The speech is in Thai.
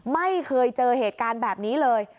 ไม่เคยเจอเหตุการณ์แบบนี้เลย